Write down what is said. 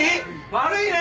悪いね！